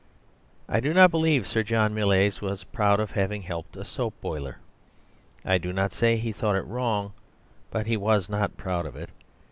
I do not believe Sir John Millais was proud of having helped a soap boiler. I do not say he thought it wrong; but he was not proud of it.